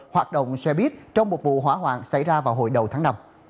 hóa hoạn xảy ra vào hồi đầu tháng năm